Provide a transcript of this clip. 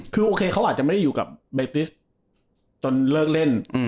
คือโอเคเขาอาจจะไม่ได้อยู่กับเบสติสจนเลิกเล่น